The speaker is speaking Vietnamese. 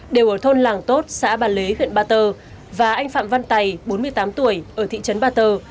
đều ở thôn làng tốt xã bà lế huyện ba tơ và anh phạm văn tày bốn mươi tám tuổi ở thị trấn ba tơ